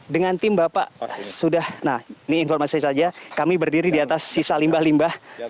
dengan tim bapak sudah nah ini informasi saja kami berdiri di atas sisa limbah limbah